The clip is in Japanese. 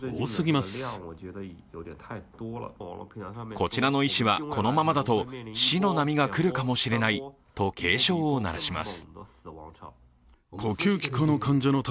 こちらの医師はこのままだと死の波が来るかもしれないと警鐘を鳴らします。